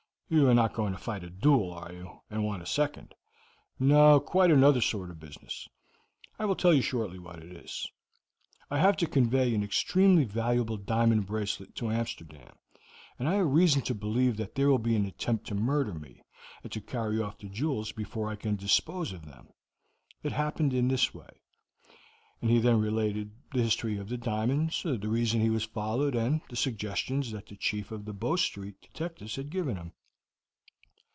You are not going to fight a duel, are you, and want a second?" "No; quite another sort of business. I will tell you shortly what it is. I have to convey an extremely valuable diamond bracelet to Amsterdam, and I have reason to believe that there will be an attempt to murder me, and to carry off the jewels before I can dispose of them. It happened in this way;" and he then related the history of the diamonds, the reason he was followed, and the suggestions that the Chief of the Bow Street detectives had given him.